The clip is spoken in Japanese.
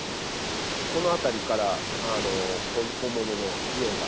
この辺りから本物の溶岩。